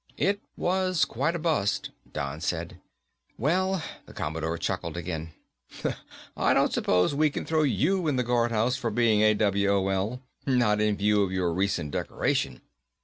"It was quite a bust," Don said. "Well," the Commodore chuckled again, "I don't suppose we can throw you in the guardhouse for being A.W.O.L. Not in view of your recent decoration."